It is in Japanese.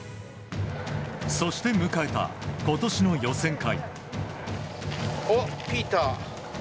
そして迎えた、今年の予選会。